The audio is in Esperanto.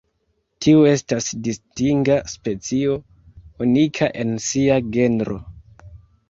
Tiu estas distinga specio, unika en sia genro.